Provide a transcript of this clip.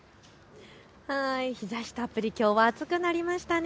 日ざしたっぷり、きょうは暑くなりましたね。